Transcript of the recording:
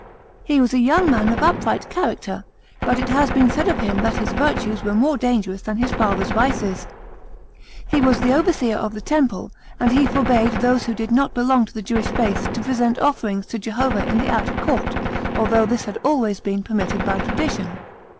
* He was a young man of upright character ; but it has been said of him that his virtues were more dangerous than his father's vices. He was overseer of the Temple, and he forbade those who did not belong to the Jewish faith to present offerings to Jehovah in the outer court, although this had always been permitted by tradition.